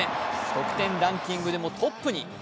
得点ランキングでもトップに。